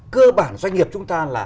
cơ bản doanh nghiệp chúng ta là